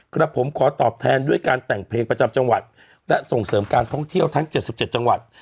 ครับผมขอตอบแทนด้วยการแต่งเพลงประจำจังหวัดและส่งเสริมการท่องเที่ยวทั้ง๗๗จังหวัด